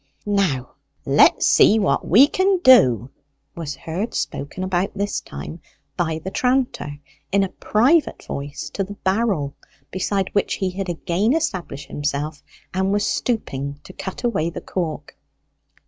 "Now let's see what we can do," was heard spoken about this time by the tranter in a private voice to the barrel, beside which he had again established himself, and was stooping to cut away the cork.